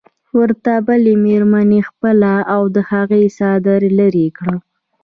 ورته بلې مېرمنې خپله او د هغې څادري لرې کړه.